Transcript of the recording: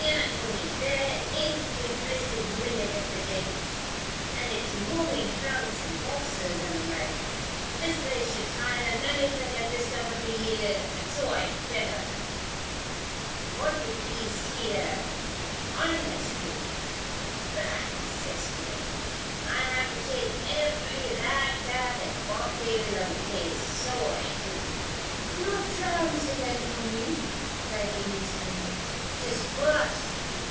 and 'Tony, there!' iv'ry blissid minute av th' day. An' 'tis movin' trunks an' boxes, and the like Mis' Grace should hire a nelephant at this time of the year, an' so I tell her. An' what with these here foreigners too bad 'cess to them! I have to chase ev'ry rag tag and bobtail on the place, so I do " "Not tramps again, Tony?" cried Jennie Stone. "'Tis worse.